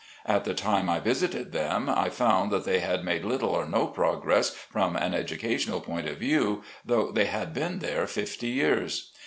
At the time I visited them, I found that they had CHURCH WORK. 43 made little or no progress from an educational point of view, though they had been there fifty years.